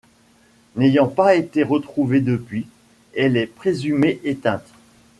N'ayant pas été retrouvée depuis, elle est présumée éteinte.